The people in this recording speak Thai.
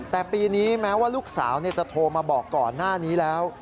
แต่ปีนี้แม้ว่าลูกสาวจะโทรมาบอกก่อนหน้านี้แล้ว